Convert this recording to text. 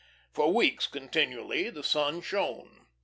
For weeks continually the sun shone.